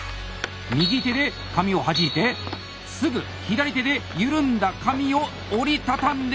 右手で紙をはじいてすぐ左手で緩んだ紙を折り畳んでおります。